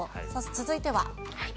続いては。